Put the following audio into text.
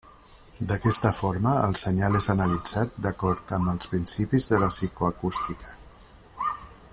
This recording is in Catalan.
D'aquesta forma el senyal és analitzat d'acord amb els principis de la psicoacústica.